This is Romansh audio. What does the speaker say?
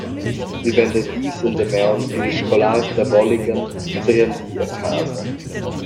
Il venderdis endamaun ein ils scolars da Bolligen serendi a casa.